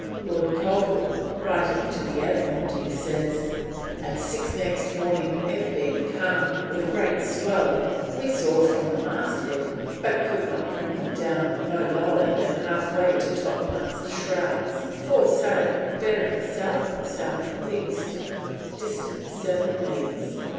Lord Colville, writing to the Admiralty, says: "At six next morning it being calm with a great swell, we saw from the masthead, but could not bring them down no lower than halfway to topmast shrouds, four sail bearing South South East, distance 7 leagues.